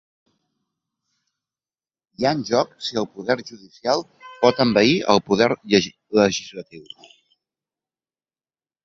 Hi ha en joc si el poder judicial pot envair el poder legislatiu.